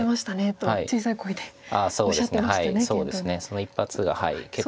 その一発が結構。